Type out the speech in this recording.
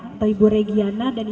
atau ibu regiana dan ibu indah